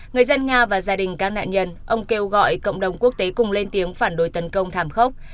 người dân nga và gia đình các nạn nhân ông kêu gọi cộng đồng quốc tế cùng lên tiếng phản đối tấn công thảm khốc